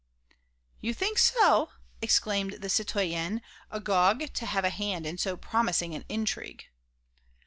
"You think so!" exclaimed the citoyenne, agog to have a hand in so promising an intrigue.